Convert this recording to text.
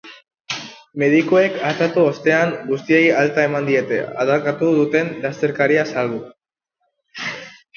Medikuek artatu ostean, guztiei alta eman diete, adarkatu duten lasterkaria salbu.